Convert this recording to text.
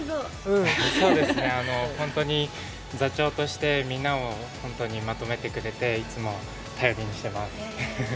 本当に座長としてみんなをまとめてくれていつも頼りにしています。